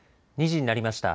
２時になりました。